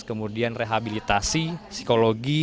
kemudian rehabilitasi psikologi